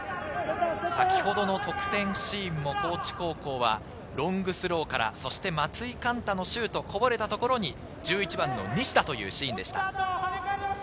先ほどの得点シーンも高知高校はロングスローからそして松井貫太のシュート、こぼれたところに１１番の西田というシーンでした。